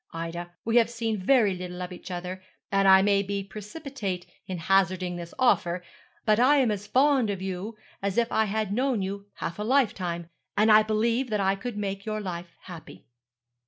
Ida, we have seen very little of each other, and I may be precipitate in hazarding this offer; but I am as fond of you as if I had known you half a lifetime, and I believe that I could make your life happy.'